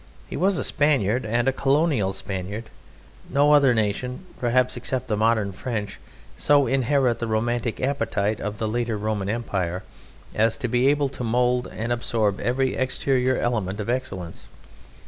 He was a Spaniard, and a Colonial Spaniard. No other nation, perhaps, except the modern French, so inherit the romantic appetite of the later Roman Empire as to be able to mould and absorb every exterior element of excellence.